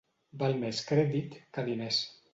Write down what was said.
Val més crèdit que diners.